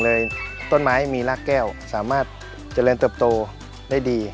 ต้นไม้มีรากแก้วสามารถเจริญเติบโตได้ดี